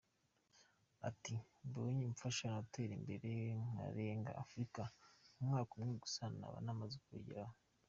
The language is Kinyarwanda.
Ati “Mbonye umfasha natera imbere nkarenga Afrika, mu mwaka umwe gusa naba namaze kubigeraho”.